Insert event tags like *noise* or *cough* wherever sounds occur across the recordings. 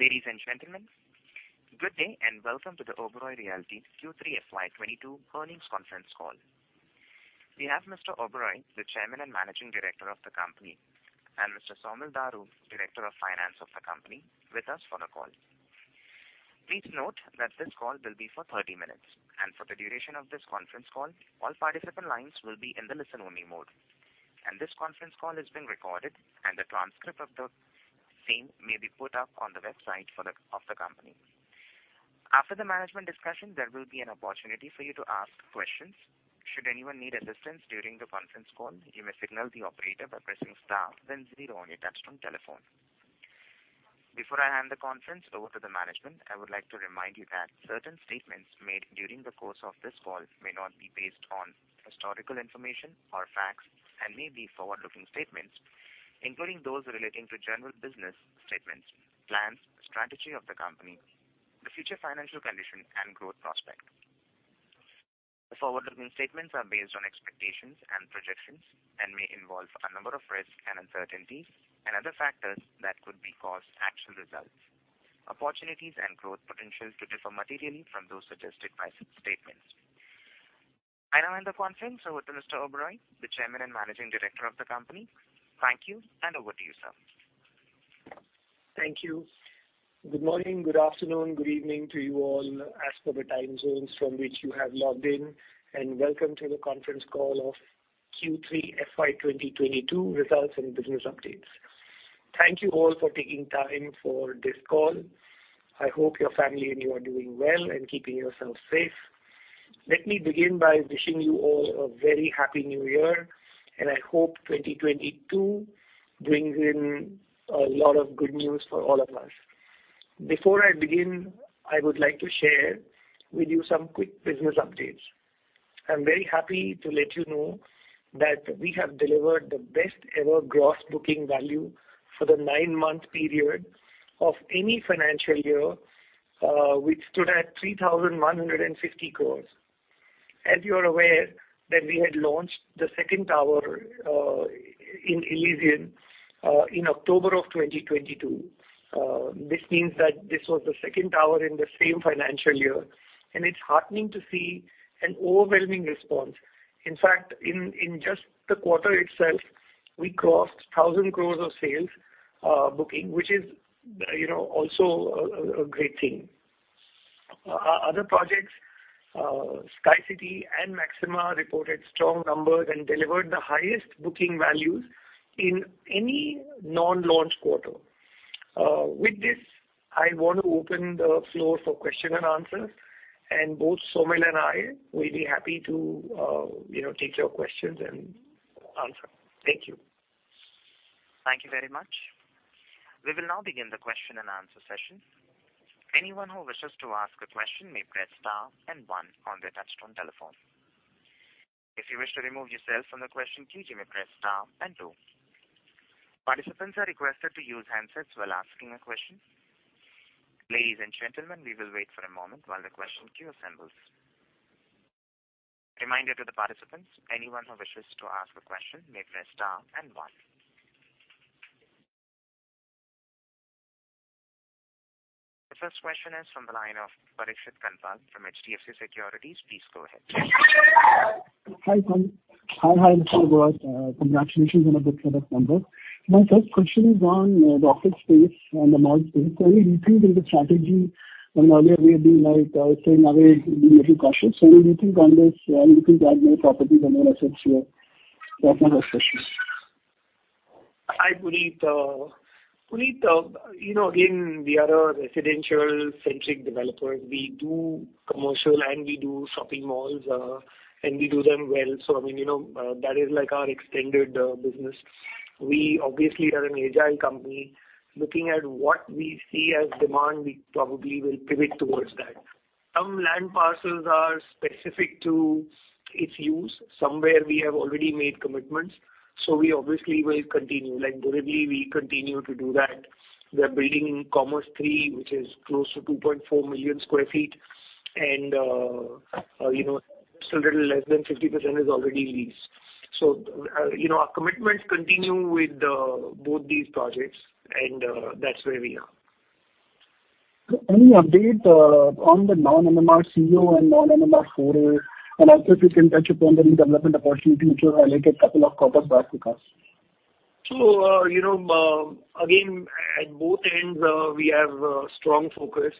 Ladies and gentlemen, good day and welcome to the Oberoi Realty Q3 FY 2022 earnings conference call. We have Vikas Oberoi, the Chairman and Managing Director of the company, and Mr. Saumil Daru, Director of Finance of the company, with us for the call. Please note that this call will be for 30 minutes. For the duration of this conference call, all participant lines will be in the listen-only mode. This conference call is being recorded, and the transcript of the same may be put up on the website of the company. After the management discussion, there will be an opportunity for you to ask questions. Should anyone need assistance during the conference call, you may signal the operator by pressing star then zero on your touch-tone telephone. Before I hand the conference over to the management, I would like to remind you that certain statements made during the course of this call may not be based on historical information or facts and may be forward-looking statements, including those relating to general business statements, plans, strategy of the company, the future financial condition and growth prospect. The forward-looking statements are based on expectations and projections and may involve a number of risks and uncertainties and other factors that could cause actual results. Opportunities and growth potentials could differ materially from those suggested by such statements. I now hand the conference over to Vikas Oberoi, the Chairman and Managing Director of the company. Thank you, and over to you, sir. Thank you. Good morning, good afternoon, good evening to you all as per the time zones from which you have logged in, and welcome to the conference call of Q3 FY 2022 results and business updates. Thank you all for taking time for this call. I hope your family and you are doing well and keeping yourselves safe. Let me begin by wishing you all a very happy new year, and I hope 2022 brings in a lot of good news for all of us. Before I begin, I would like to share with you some quick business updates. I'm very happy to let you know that we have delivered the best ever gross booking value for the nine-month period of any financial year, which stood at 3,150 crores. As you are aware that we had launched the second tower in Elysian in October 2022. This means that this was the second tower in the same financial year, and it's heartening to see an overwhelming response. In fact, in just the quarter itself, we crossed 1,000 crores of sales booking, which is, you know, also a great thing. Our other projects Sky City and Maxima reported strong numbers and delivered the highest booking values in any non-launch quarter. With this, I want to open the floor for question and answers, and both Saumil and I will be happy to you know take your questions and answer. Thank you. Thank you very much. We will now begin the question-and-answer session. Anyone who wishes to ask a question may press star and one on their touch-tone telephone. If you wish to remove yourself from the question queue, you may press star and two. Participants are requested to use handsets while asking a question. Ladies and gentlemen, we will wait for a moment while the question queue assembles. Reminder to the participants, anyone who wishes to ask a question may press star and one. The first question is from the line of Parikshit Kandpal from HDFC Securities. Please go ahead. Hi, Saumil. Hi. Hi, Vikas Oberoi. Congratulations on a good set of numbers. My first question is on the office space and the mall space. Do you think there is a strategy when earlier we have been, like, staying away, being a little cautious. Do you think on this, you can add more properties and more assets here? That's my first question. Hi, Puneet. You know, again, we are a residential-centric developer. We do commercial, and we do shopping malls, and we do them well. So I mean, you know, that is like our extended business. We obviously are an agile company. Looking at what we see as demand, we probably will pivot towards that. Some land parcels are specific to its use. Somewhere we have already made commitments, so we obviously will continue. Like Gurugram, we continue to do that. We are building Commerz III, which is close to 2.4 million sq ft. You know, just a little less than 50% is already leased. So you know, our commitments continue with both these projects, and that's where we are. Any update on the non-MMR CO and non-MMR 4A? Also if you can touch upon the redevelopment opportunity which you had highlighted couple of quarters back with us. You know, again, at both ends, we have a strong focus.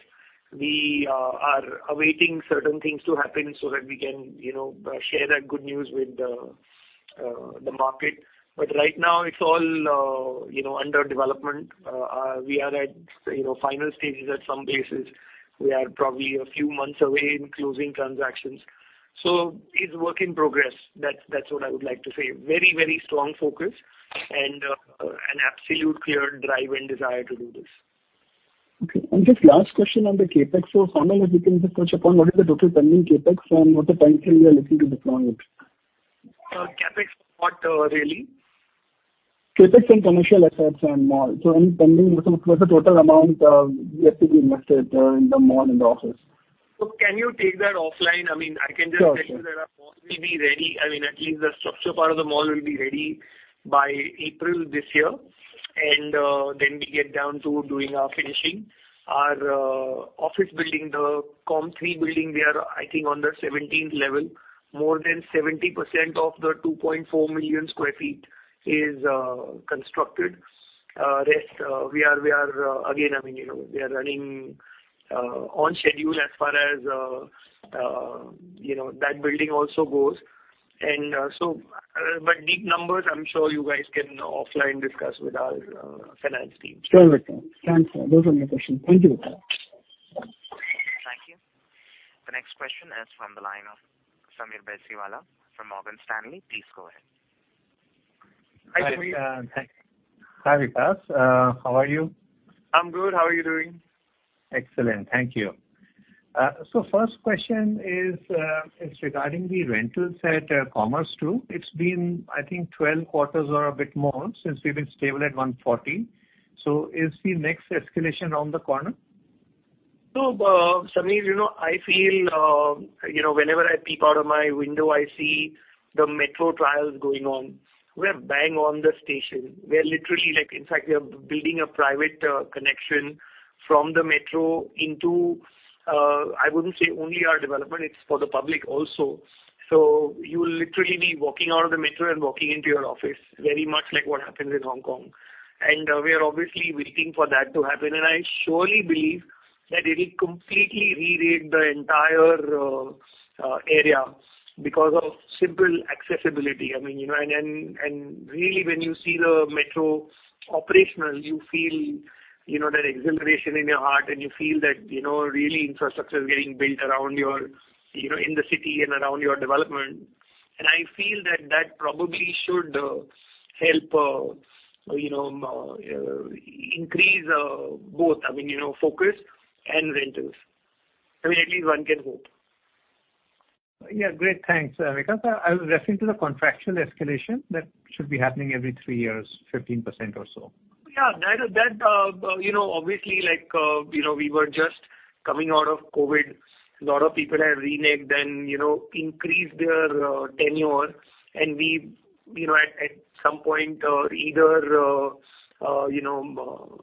We are awaiting certain things to happen so that we can, you know, share that good news with the market. Right now it's all, you know, under development. We are at, you know, final stages at some places. We are probably a few months away in closing transactions. It's work in progress. That's what I would like to say. Very strong focus and an absolute clear drive and desire to do this. Okay. Just last question on the CapEx. Saumil, if you can just touch upon what is the total pending CapEx and what timeframe you are looking to deploy it? CapEx on what really? CapEx in commercial assets and mall. Any pending, what's the total amount yet to be invested in the mall and the office? Can you take that offline? I mean, I can just- Sure, sir. I tell you that our mall will be ready. I mean, at least the structure part of the mall will be ready by April this year, and then we get down to doing our finishing. Our office building, the Commerz III building, we are, I think, on the seventeenth level. More than 70% of the 2.4 million sq ft is constructed. Rest, we are again, I mean, you know, we are running on schedule as far as you know, that building also goes. Detailed numbers, I'm sure you guys can discuss offline with our finance team. Perfect. Thanks. Those are my questions. Thank you, Vikas. Thank you. The next question is from the line of Sameer Baisiwala from Morgan Stanley. Please go ahead. Hi, Sameer. Hi, hi. Hi, Vikas. How are you? I'm good. How are you doing? Excellent. Thank you. First question is regarding the rentals at Commerz II. It's been, I think, 12 quarters or a bit more since we've been stable at 140, so is the next escalation on the corner? Sameer, you know, I feel, you know, whenever I peek out of my window, I see the metro trials going on. We're bang on the station. We're literally like. In fact, we are building a private connection from the metro into, I wouldn't say only our development, it's for the public also. You will literally be walking out of the metro and walking into your office, very much like what happens in Hong Kong. We are obviously waiting for that to happen. I surely believe that it'll completely rewrite the entire area because of simple accessibility. I mean, you know, really when you see the metro operational, you feel, you know, that exhilaration in your heart and you feel that, you know, really infrastructure is getting built around your, you know, in the city and around your development. I feel that that probably should help, you know, increase both, I mean, you know, focus and rentals. I mean, at least one can hope. Yeah. Great. Thanks, Vikas. I was referring to the contractual escalation that should be happening every three years, 15% or so. Yeah. That you know, obviously, like, you know, we were just coming out of COVID. A lot of people have reneged and, you know, increased their tenure. We've you know, at some point, either you know,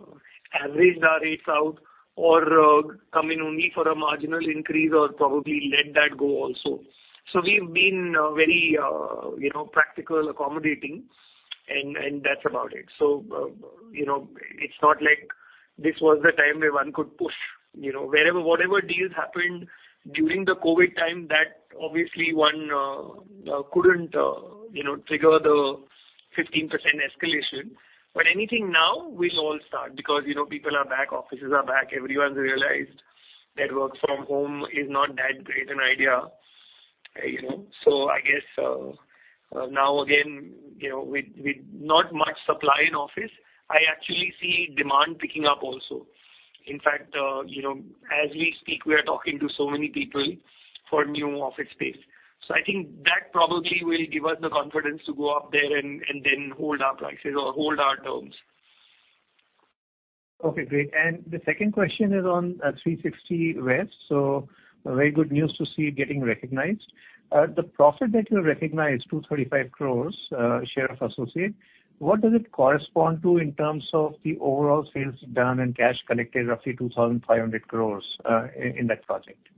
averaged our rates out or come in only for a marginal increase or probably let that go also. We've been very you know, practical, accommodating and that's about it. You know, it's not like this was the time where one could push. You know, wherever, whatever deals happened during the COVID time, that obviously one couldn't you know, trigger the 15% escalation. Anything now will all start because, you know, people are back, offices are back. Everyone's realized that work from home is not that great an idea, you know. I guess now again, you know, with not much supply in office, I actually see demand picking up also. In fact, you know, as we speak, we are talking to so many people for new office space. I think that probably will give us the confidence to go up there and then hold our prices or hold our terms. Okay, great. The second question is on Three Sixty West. Very good news to see it getting recognized. The profit that you recognized, 235 crore, share of associate, what does it correspond to in terms of the overall sales done and cash collected, roughly 2,500 crore, in that project?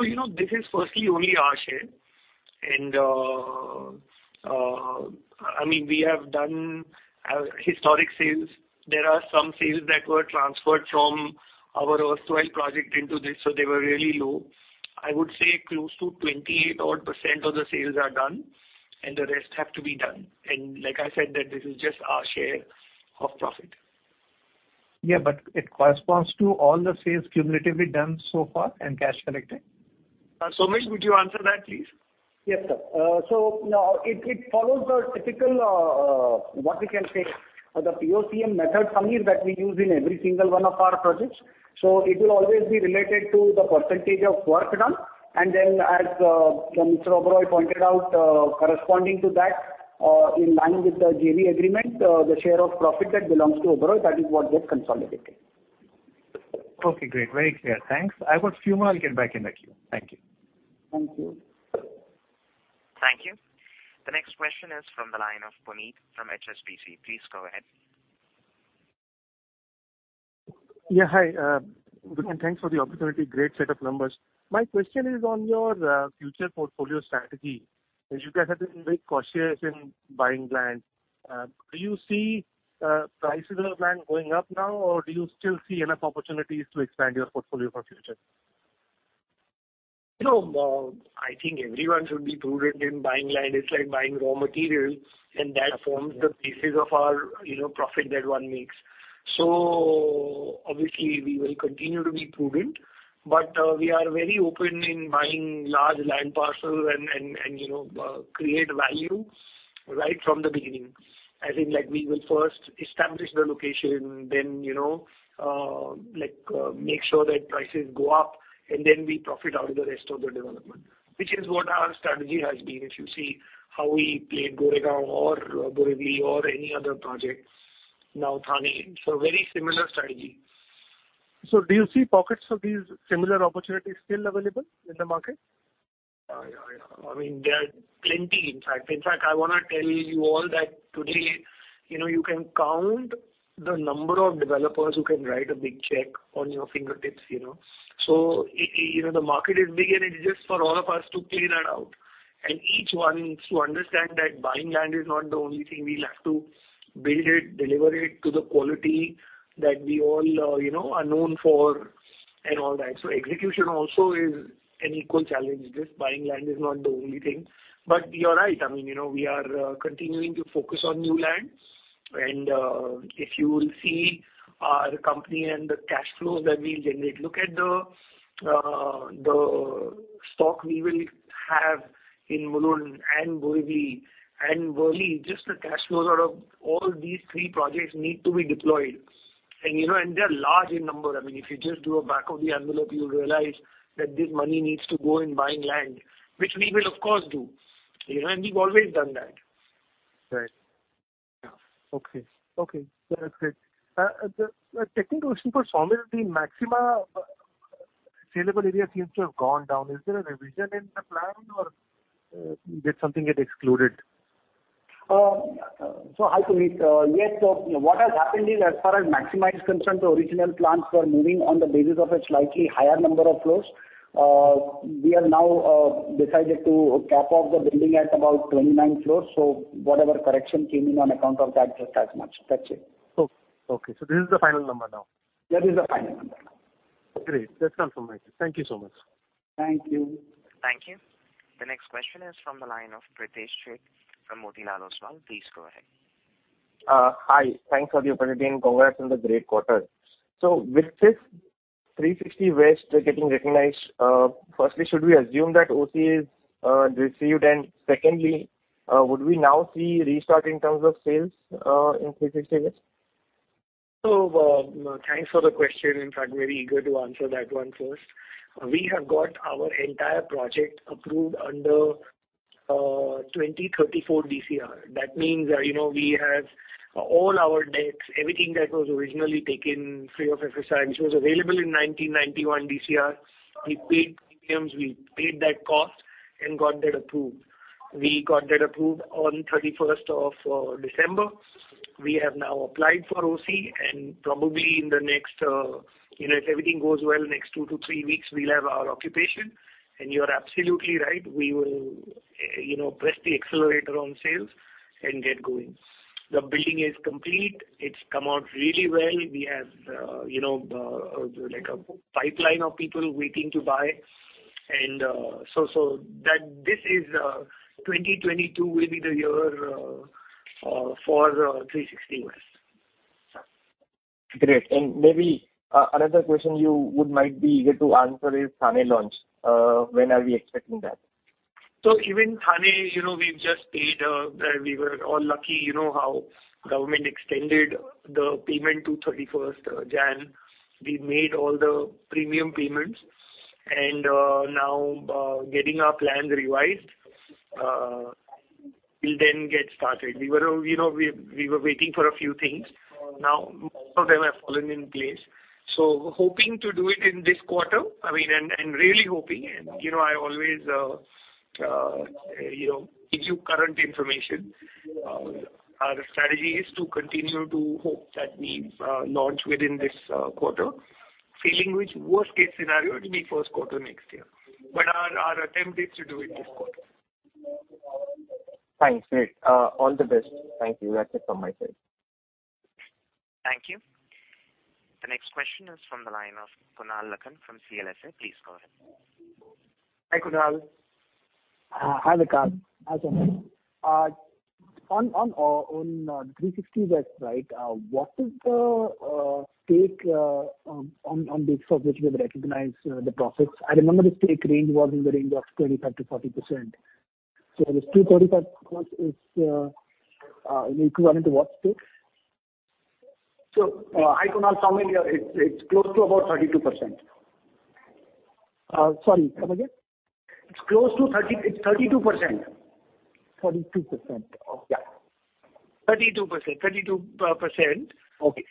You know, this is firstly only our share. I mean, we have done historic sales. There are some sales that were transferred from our *inaudible* into this, so they were really low. I would say close to 28 odd% of the sales are done, and the rest have to be done. Like I said, that this is just our share of profit. Yeah, it corresponds to all the sales cumulatively done so far and cash collected? Saumil, would you answer that, please? Yes, sir. Now it follows the typical, what we can say, the POCM method, Sameer, that we use in every single one of our projects. It'll always be related to the percentage of work done. Then as Vikas Oberoi pointed out, corresponding to that, in line with the JV agreement, the share of profit that belongs to Oberoi, that is what gets consolidated. Okay, great. Very clear. Thanks. I've got few more. I'll get back in the queue. Thank you. Thank you. Thank you. The next question is from the line of Puneet from HSBC. Please go ahead. Yeah. Hi. Good, and thanks for the opportunity. Great set of numbers. My question is on your future portfolio strategy. As you guys have been very cautious in buying land, do you see prices of land going up now, or do you still see enough opportunities to expand your portfolio for future? You know, I think everyone should be prudent in buying land. It's like buying raw materials, and that forms the basis of our, you know, profit that one makes. Obviously we will continue to be prudent, but we are very open in buying large land parcel and, you know, create value right from the beginning. As in like we will first establish the location then, you know, like, make sure that prices go up and then we profit out of the rest of the development, which is what our strategy has been. If you see how we played Goregaon or Borivali or any other project. Now Thane. Very similar strategy. Do you see pockets of these similar opportunities still available in the market? Yeah, yeah. I mean, there are plenty, in fact. In fact, I wanna tell you all that today, you know, you can count the number of developers who can write a big check on your fingertips, you know. You know, the market is big, and it's just for all of us to clean that out. Each one needs to understand that buying land is not the only thing. We'll have to build it, deliver it to the quality that we all, you know, are known for and all that. Execution also is an equal challenge. Just buying land is not the only thing. You're right. I mean, you know, we are continuing to focus on new lands. If you will see our company and the cash flows that we generate, look at the stock we will have in Mulund and Borivali and Worli, just the cash flows out of all these three projects need to be deployed. You know, and they're large in number. I mean, if you just do a back of the envelope, you'll realize that this money needs to go in buying land, which we will of course do. You know, and we've always done that. Right. Yeah. Okay. That's great. A technical question for Saumil. The Maxima saleable area seems to have gone down. Is there a revision in the plan or did something get excluded? Hi, Puneet. Yes. What has happened is, as far as Maxima is concerned, the original plans were moving on the basis of a slightly higher number of floors. We have now decided to cap off the building at about 29 floors. Whatever correction came in on account of that, just as much. That's it. Okay. This is the final number now? That is the final number now. Great. That's confirmed. Thank you so much. Thank you. Thank you. The next question is from the line of Pritesh Sheth from Motilal Oswal. Please go ahead. Hi. Thanks for the opportunity and congrats on the great quarter. With this Three Sixty West getting recognized, firstly, should we assume that OC is received? Secondly, would we now see restart in terms of sales in Three Sixty West? Thanks for the question. In fact, very eager to answer that one first. We have got our entire project approved under 2034 DCR. That means that, you know, we have all our decks, everything that was originally taken free of FSI, which was available in 1991 DCR, we paid premiums, we paid that cost and got that approved. We got that approved on 31st of December. We have now applied for OC and probably in the next, you know, if everything goes well, next 2-3 weeks we'll have our occupation. You're absolutely right, we will, you know, press the accelerator on sales and get going. The building is complete. It's come out really well. We have, you know, like a pipeline of people waiting to buy. That this is for Three Sixty West. Maybe another question you might be eager to answer is Thane launch. When are we expecting that? Even Thane, you know, we've just paid, we were all lucky, you know, how government extended the payment to 31st January. We made all the premium payments and now getting our plans revised, we'll then get started. We were, you know, we were waiting for a few things. Now most of them have fallen in place. Hoping to do it in this quarter, I mean, and really hoping. You know, I always, you know, give you current information. Our strategy is to continue to hope that we launch within this quarter. Failing which, worst-case scenario, it'll be first quarter next year. But our attempt is to do it this quarter. Thanks. Great. All the best. Thank you. That's it from my side. Thank you. The next question is from the line of Kunal Lakhan from CLSA. Please go ahead. Hi, Kunal. Hi, Vikas. How's it going? On Three Sixty West, right, what is the take rate on the basis of which you have recognized the profits? I remember the take rate was in the range of 25%-40%. This 235% is equivalent to what take? Hi Kunal, Saumil here. It's close to about 32%. Sorry. Come again. It's 32%. 32%. Okay. Yeah. 32%. Okay.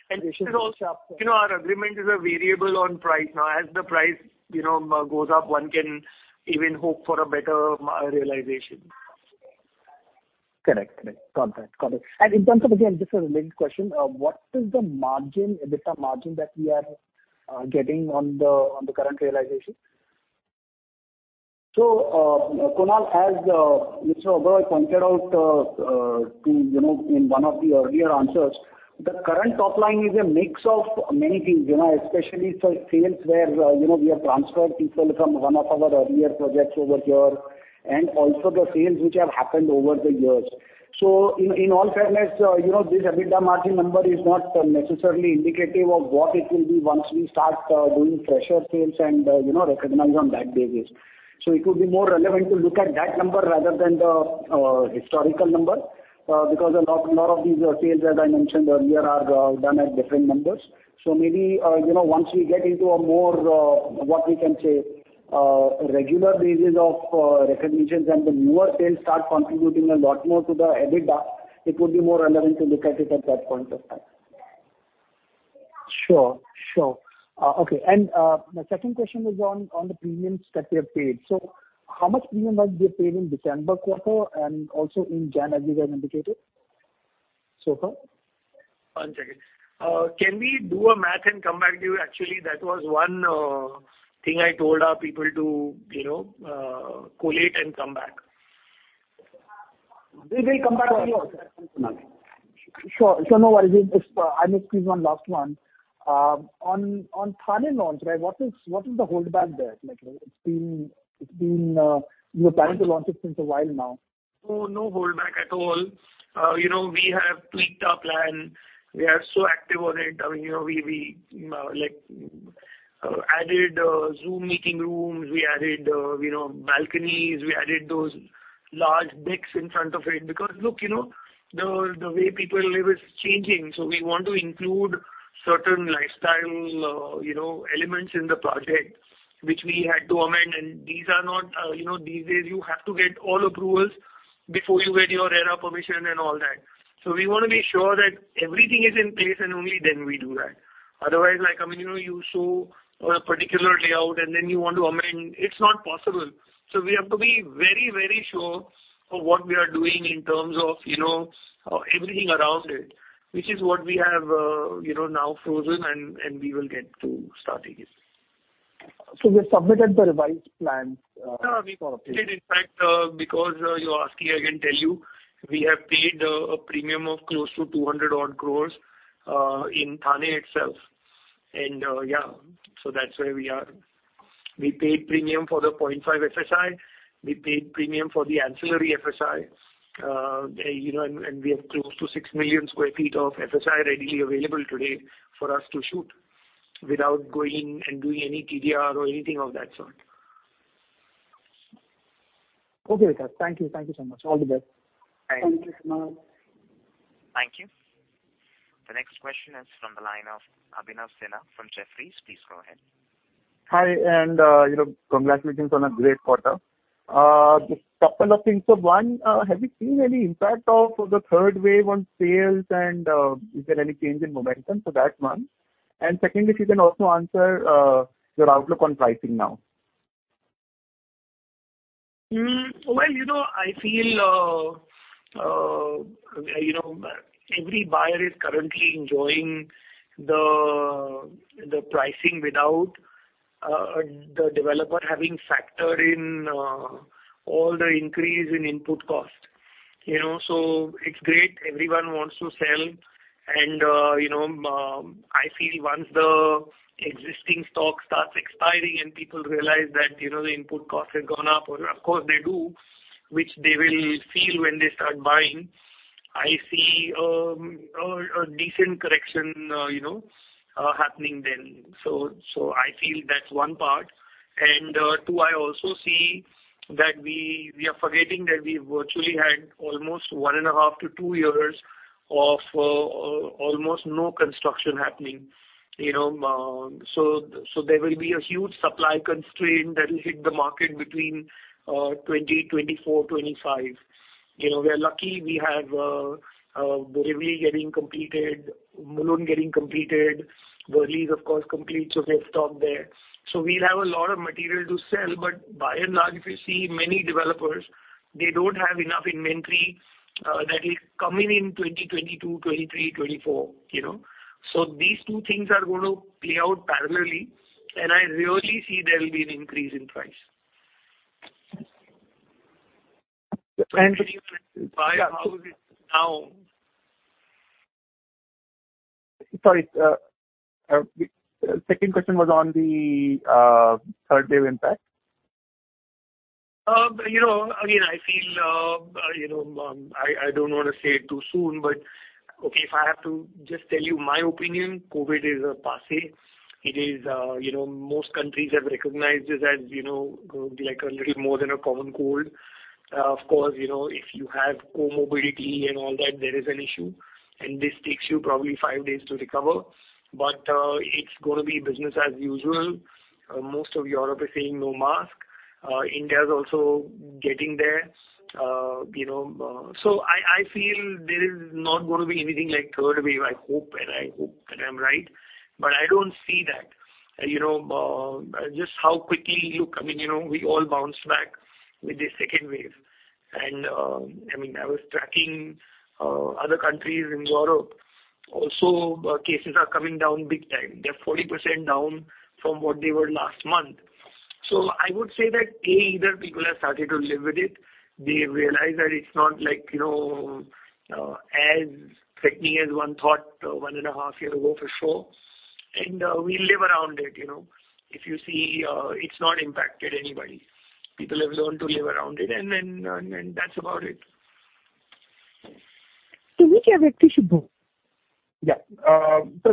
You know, our agreement is a variable on price. Now, as the price, you know, goes up, one can even hope for a better realization. Correct. Got that. Got it. In terms of, again, just a related question, what is the margin, EBITDA margin that we are getting on the current realization? Kunal, as Vikas Oberoi pointed out, you know, in one of the earlier answers, the current top line is a mix of many things, you know, especially for sales where you know, we have transferred people from one of our earlier projects over here, and also the sales which have happened over the years. In all fairness, you know, this EBITDA margin number is not necessarily indicative of what it will be once we start doing fresher sales and you know, recognize on that basis. It would be more relevant to look at that number rather than the historical number, because a lot of these sales, as I mentioned earlier, are done at different numbers. Maybe, you know, once we get into a more regular basis of recognitions and the newer sales start contributing a lot more to the EBITDA, it would be more relevant to look at it at that point of time. Sure, sure. Okay. My second question was on the premiums that you have paid. How much premium have you paid in December quarter and also in Jan, as you have indicated so far? One second. Can we do a math and come back to you? Actually, that was one thing I told our people to, you know, collate and come back. We will come back to you on that. Sure. No worries. If I may squeeze one last one. On Thane launch, right, what is the holdback there like? It's been, you're planning to launch it since a while now. No, no holdback at all. We have tweaked our plan. We are so active on it. I mean, you know, we like added Zoom meeting rooms. We added balconies. We added those large decks in front of it because the way people live is changing, so we want to include certain lifestyle elements in the project which we had to amend. These days you have to get all approvals before you get your RERA permission and all that. We wanna make sure that everything is in place, and only then we do that. Otherwise, like, I mean, you know, you show a particular layout and then you want to amend, it's not possible. We have to be very, very sure of what we are doing in terms of, you know, everything around it, which is what we have, you know, now frozen and we will get to starting it. You've submitted the revised plans? No, we've completed. In fact, because you're asking, I can tell you, we have paid a premium of close to 200 odd crores in Thane itself. Yeah, so that's where we are. We paid premium for the 0.5 FSI. We paid premium for the ancillary FSI. You know, and we have close to 6 million sq ft of FSI readily available today for us to use without going and doing any TDR or anything of that sort. Okay, sir. Thank you. Thank you so much. All the best. Thanks. Thank you so much. Thank you. The next question is from the line of Abhinav Sinha from Jefferies. Please go ahead. Hi, you know, congratulations on a great quarter. Just couple of things. One, have you seen any impact of the third wave on sales and is there any change in momentum? That's one. Secondly, if you can also answer, your outlook on pricing now. Well, you know, I feel every buyer is currently enjoying the pricing without the developer having factored in all the increase in input cost. You know, so it's great. Everyone wants to sell and, you know, I feel once the existing stock starts expiring and people realize that, you know, the input cost has gone up, of course they do, which they will feel when they start buying. I see a decent correction, you know, happening then. So I feel that's one part. Two, I also see that we are forgetting that we virtually had almost 1.5-2 years of almost no construction happening, you know. So there will be a huge supply constraint that will hit the market between 2024-2025. You know, we're lucky we have Borivali getting completed, Mulund getting completed. Worli's, of course, complete, so we've stopped there. We'll have a lot of material to sell. By and large, if you see many developers, they don't have enough inventory that is coming in 2022, 2023, 2024, you know. These two things are gonna play out parallelly, and I really see there will be an increase in price. And- 20 to 25 houses down. Sorry. Second question was on the third wave impact. You know, again, I feel, you know, I don't wanna say it too soon, but okay, if I have to just tell you my opinion, COVID is a passé. It is, you know, most countries have recognized it as, you know, like a little more than a common cold. Of course, you know, if you have comorbidity and all that, there is an issue, and this takes you probably five days to recover. It's gonna be business as usual. Most of Europe is saying no mask. India's also getting there. You know, so I feel there is not gonna be anything like third wave. I hope that I'm right, but I don't see that. You know, just how quickly, look, I mean, you know, we all bounced back with the second wave. I mean, I was tracking other countries in Europe. Also cases are coming down big time. They're 40% down from what they were last month. I would say that, A, either people have started to live with it. They realize that it's not like, you know, as threatening as one thought 1.5 years ago for sure. We live around it, you know. If you see, it's not impacted anybody. People have learned to live around it and that's about it. Sir,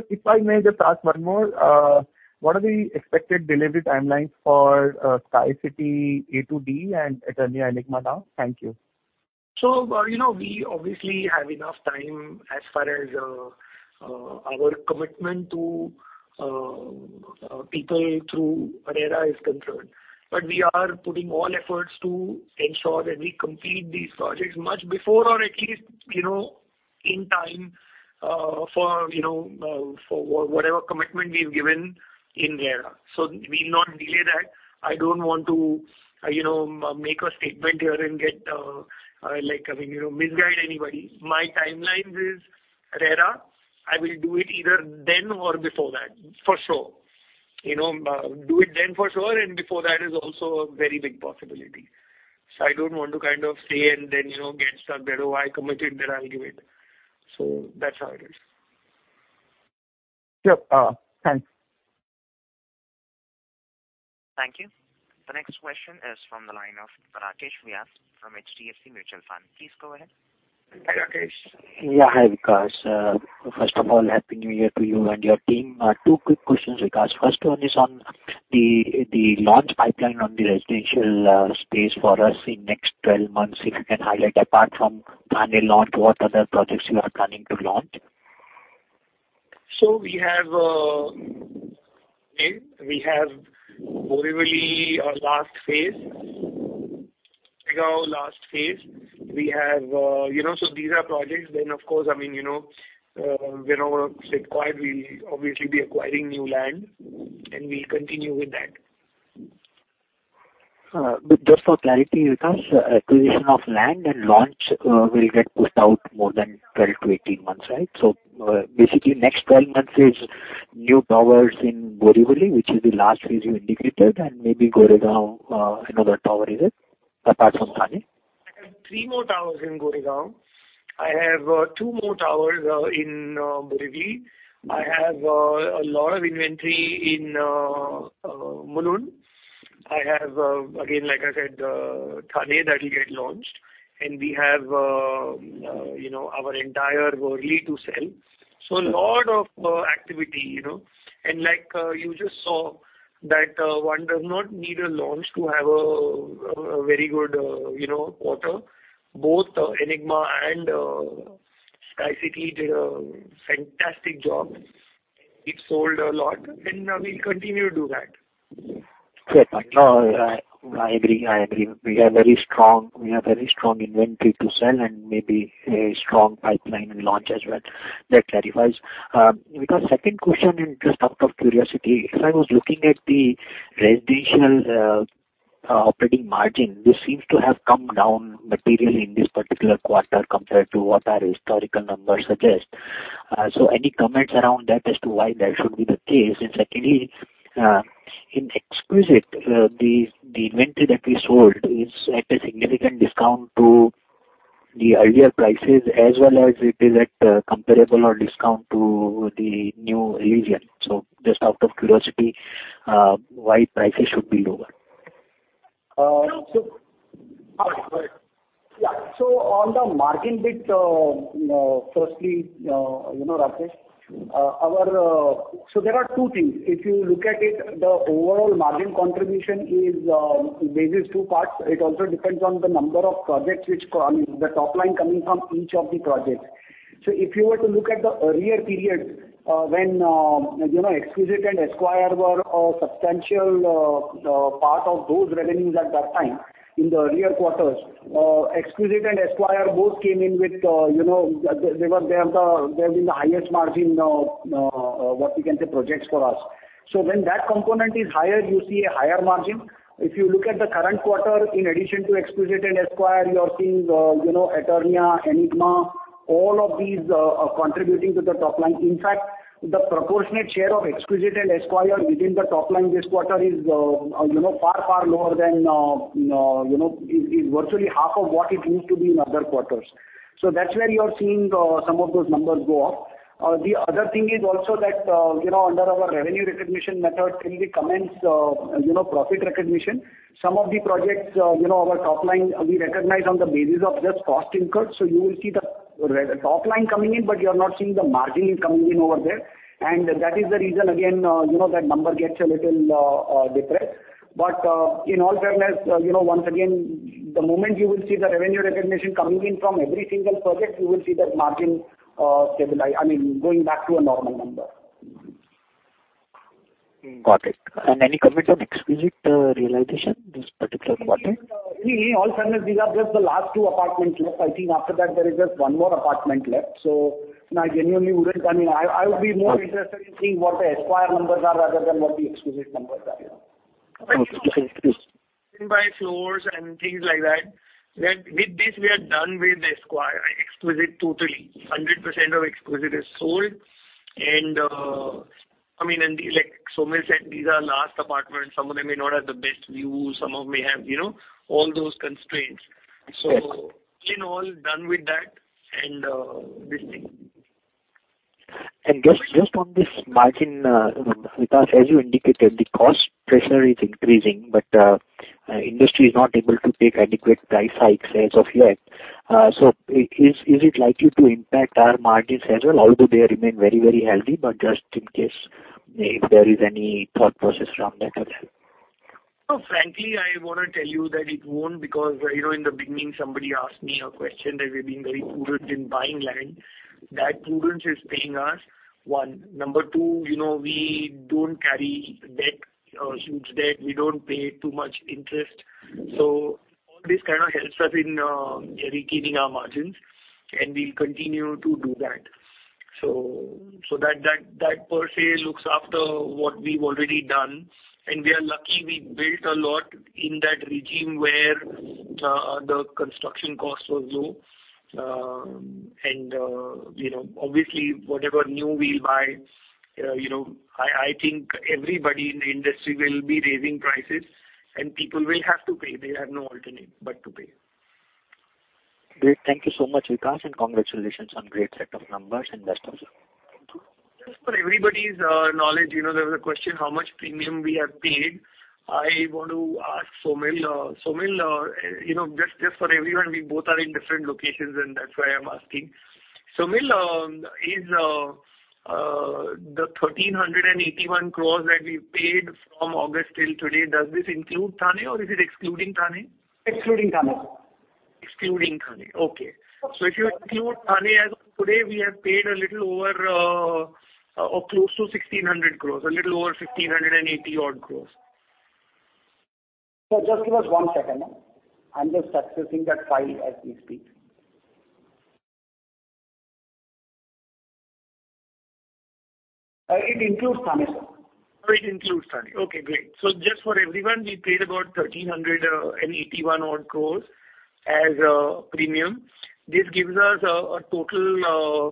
if I may just ask one more. What are the expected delivery timelines for Sky City A to D and Eternia Enigma now? Thank you. You know, we obviously have enough time as far as our commitment to people through RERA is concerned. We are putting all efforts to ensure that we complete these projects much before or at least, you know, in time for whatever commitment we've given in RERA. We'll not delay that. I don't want to, you know, make a statement here and get, like, I mean, you know, misguide anybody. My timeline is RERA. I will do it either then or before that, for sure. You know, do it then for sure, and before that is also a very big possibility. I don't want to kind of say and then, you know, get stuck there. Oh, I committed there, I'll give it. That's how it is. Sure. Thanks. Thank you. The next question is from the line of Rakesh Vyas from HDFC Mutual Fund. Please go ahead. Hi, Rakesh. Hi, Vikas. First of all, happy New Year to you and your team. Two quick questions, Vikas. First one is on the launch pipeline on the residential space for us in next twelve months. If you can highlight, apart from Thane launch, what other projects you are planning to launch? We have Borivali, our last phase, Goregaon, last phase. We have, you know, these are projects then of course, I mean, you know, we're on it quietly, we'll obviously be acquiring new land, and we'll continue with that. Just for clarity, Vikas, acquisition of land and launch will get pushed out more than 12-18 months, right? Basically, next 12 months is new towers in Borivali, which is the last phase you indicated, and maybe Goregaon, another tower is it, apart from Thane? I have three more towers in Goregaon. I have two more towers in Borivali. I have a lot of inventory in Mulund. I have again, like I said, in Thane that will get launched, and we have you know, our entire Worli to sell. A lot of activity, you know. Like you just saw that one does not need a launch to have a very good you know, quarter. Both Enigma and Sky City did a fantastic job. It sold a lot, and we'll continue to do that. Yeah. No, I agree. We have very strong inventory to sell and maybe a strong pipeline in launch as well. That clarifies. Vikas, second question and just out of curiosity, as I was looking at the residential operating margin, this seems to have come down materially in this particular quarter compared to what our historical numbers suggest. Any comments around that as to why that should be the case? Secondly, in Exquisite, the inventory that we sold is at a significant discount to the earlier prices as well as it is at comparable or discount to the new Elysian. Just out of curiosity, why prices should be lower? Uh, so- Go ahead. Yeah. On the margin bit, firstly, you know, Rakesh- Sure. There are two things. If you look at it, the overall margin contribution is, there is two parts. It also depends on the number of projects, I mean, the top line coming from each of the projects. If you were to look at the earlier period, when you know, Exquisite and Esquire were a substantial part of those revenues at that time in the earlier quarters, Exquisite and Esquire both came in with, you know, they have been the highest margin, what you can say, projects for us. When that component is higher, you see a higher margin. If you look at the current quarter, in addition to Exquisite and Esquire, you are seeing, you know, Eternia, Enigma, all of these are contributing to the top line. In fact, the proportionate share of Exquisite and Esquire within the top line this quarter is, you know, far, far lower than you know is virtually half of what it used to be in other quarters. That's where you are seeing some of those numbers go up. The other thing is also that, you know, under our revenue recognition method till we commence, you know, profit recognition, some of the projects, you know, our top line, we recognize on the basis of just cost incurred. You will see the top line coming in, but you are not seeing the margin coming in over there. That is the reason again, you know, that number gets a little depressed. In all fairness, you know, once again, the moment you will see the revenue recognition coming in from every single project, you will see that margin stabilize, I mean, going back to a normal number. Got it. Any comment on Exquisite realization this particular quarter? Really, in all fairness, these are just the last two apartments left. I think after that there is just one more apartment left. I genuinely wouldn't, I mean, I would be more interested in seeing what the Esquire numbers are rather than what the Exquisite numbers are, you know? Okay. Sure, please. By floors and things like that, with this we are done with Esquire, Exquisite totally. 100% of Exquisite is sold. I mean, like Saumil said, these are last apartments. Some of them may not have the best view, some of them may have, you know, all those constraints. Yes. In all, done with that and this thing. Just on this margin, Vikas, as you indicated, the cost pressure is increasing, but industry is not able to take adequate price hikes as of yet. So is it likely to impact our margins as well? Although they remain very, very healthy, but just in case if there is any thought process around that as well. No, frankly, I wanna tell you that it won't because, you know, in the beginning somebody asked me a question that we're being very prudent in buying land. That prudence is paying us, one. Number two, you know, we don't carry debt, huge debt. We don't pay too much interest. All this kind of helps us in maintaining our margins, and we'll continue to do that. That per se looks after what we've already done. We are lucky we built a lot in that regime where the construction cost was low. You know, obviously, whatever new we buy, you know, I think everybody in the industry will be raising prices and people will have to pay. They have no alternative but to pay. Great. Thank you so much, Vikas, and congratulations on great set of numbers and that's all. Just for everybody's knowledge, you know, there was a question how much premium we have paid. I want to ask Saumil. Saumil, you know, just for everyone, we both are in different locations, and that's why I'm asking. Saumil, is the 1,381 crore that we paid from August till today, does this include Thane or is it excluding Thane? Excluding Thane. Excluding Thane. Okay. If you include Thane, as of today, we have paid a little over, or close to 1,600 crores. A little over 1,580-odd crores. Sir, just give us one second. I'm just accessing that file as we speak. It includes Thane, sir. It includes Thane. Okay, great. Just for everyone, we paid about 1,381 crores as premium. This gives us a total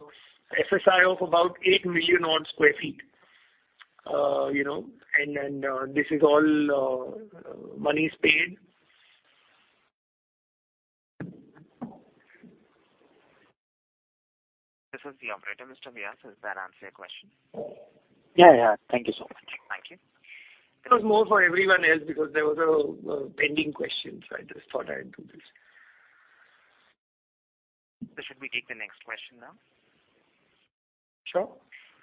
FSI of about 8 million sq ft. You know, and then this is all monies paid. This is the operator, Mr. Miah. Does that answer your question? Yeah, yeah. Thank you so much. Thank you. It was more for everyone else because there was a pending question, so I just thought I'd do this. Should we take the next question now? Sure.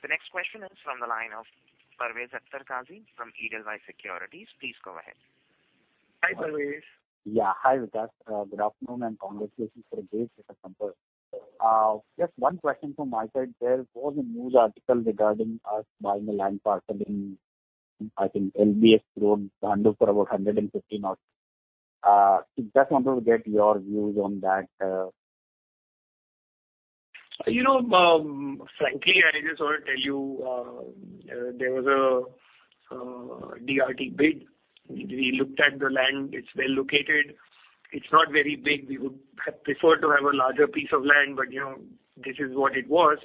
The next question is from the line of Parvez Akhtar Qazi from Edelweiss Securities. Please go ahead. Hi, Parvez. Yeah. Hi, Vikas. Good afternoon and congratulations for a great set of numbers. Just one question from my side. There was a news article regarding us buying a land parcel in, I think, LBS Road, Bhandup for about 150 odd. Just wanted to get your views on that. You know, frankly, I just wanna tell you, there was a DRT bid. We looked at the land. It's well located. It's not very big. We would have preferred to have a larger piece of land, but you know, this is what it was.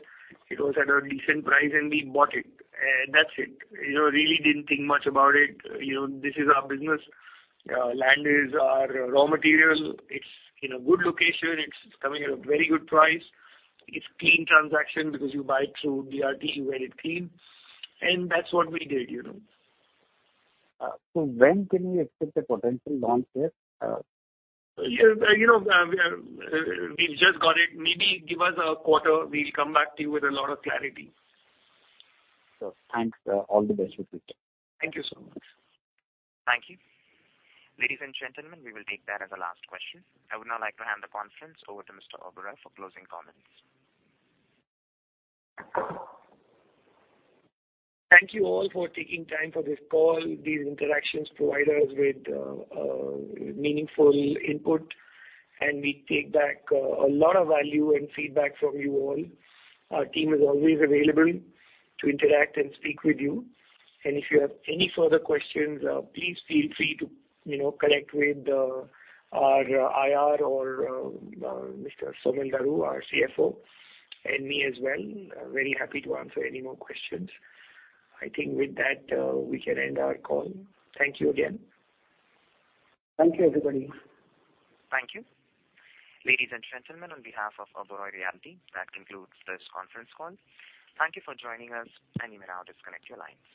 It was at a decent price, and we bought it, and that's it. You know, really didn't think much about it. You know, this is our business. Land is our raw material. It's in a good location. It's coming at a very good price. It's clean transaction because you buy through DRT, you get it clean. That's what we did, you know. When can we expect a potential launch there? Yeah, you know, we've just got it. Maybe give us a quarter. We'll come back to you with a lot of clarity. Thanks. All the best for future. Thank you so much. Thank you. Ladies and gentlemen, we will take that as the last question. I would now like to hand the conference over to Vikas Oberoi for closing comments. Thank you all for taking time for this call. These interactions provide us with meaningful input, and we take back a lot of value and feedback from you all. Our team is always available to interact and speak with you. If you have any further questions, please feel free to, you know, connect with our IR or Mr. Saumil Daru, our CFO, and me as well. I'm very happy to answer any more questions. I think with that, we can end our call. Thank you again. Thank you, everybody. Thank you. Ladies and gentlemen, on behalf of Oberoi Realty, that concludes this conference call. Thank you for joining us. You may now disconnect your line.